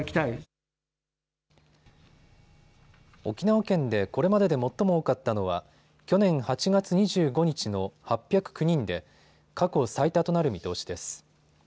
沖縄県でこれまでで最も多かったのは去年８月２５日の８０９人で過去最多となる見通しです。